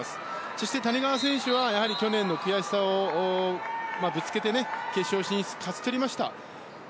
そして谷川選手は去年の悔しさをぶつけて決勝進出、勝ち取りました。